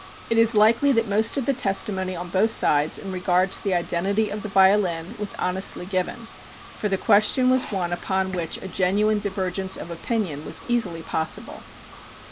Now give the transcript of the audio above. It is likely that most of the testimony, on both sides, in regard to the identity of the violin was honestly given, for the question was one upon which a genuine divergence of opinion was easily possible.